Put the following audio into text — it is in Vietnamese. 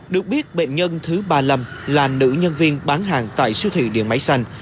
được biết bệnh nhân thứ ba mươi năm là nữ nhân viên bán hàng tại siêu thị điện máy xanh